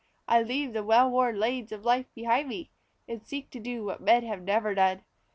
I'd leave the well worn lanes of life behind me, And seek to do what men have never done.